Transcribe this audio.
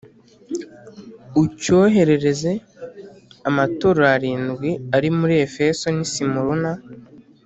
ucyoherereze amatorero arindwi ari muri Efeso n’i Simuruna,